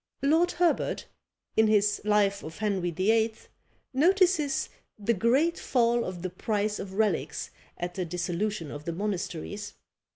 Lord Herbert, in his Life of Henry VIII., notices the great fall of the price of relics at the dissolution of the monasteries.